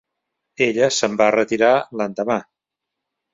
Ella se'n va retirar l'endemà.